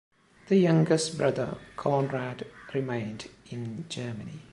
The youngest brother, Konrad, remained in Germany.